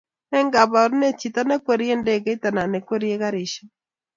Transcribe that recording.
Eng' kabarunet chito nekwerie ndegeit anan nekwerie garishek